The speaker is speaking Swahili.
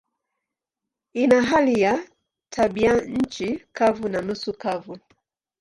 Ina hali ya tabianchi kavu na nusu kavu.